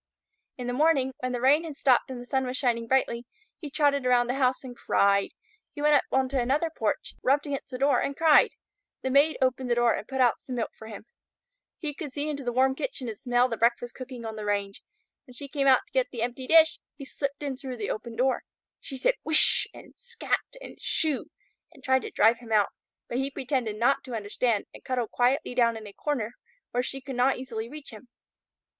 In the morning, when the rain had stopped and the sun was shining brightly, he trotted around the house and cried. He went up on to another porch, rubbed against the door and cried. The Maid opened the door and put out some milk for him. He could see into the warm kitchen and smell the breakfast cooking on the range. When she came out to get the empty dish, he slipped in through the open door. She said "Whish!" and "Scat!" and "Shoo!" and tried to drive him out, but he pretended not to understand and cuddled quietly down in a corner where she could not easily reach him.